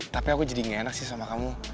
tapi aku jadi gak enak sih sama kamu